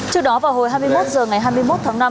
trước đó vào hồi hai mươi một h ngày hai mươi một tháng năm